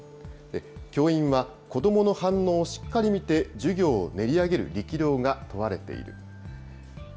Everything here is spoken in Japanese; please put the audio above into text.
教員は、子どもの反応をしっかり見て、授業を練り上げる力量が問われている。